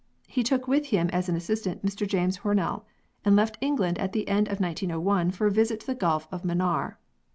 He took with him as an assistant, Mr James Hornell, and left England at the end of 1901 for a visit to the Gulf of Manaar.